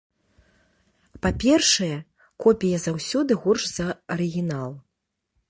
Па-першае, копія заўсёды горш за арыгінал.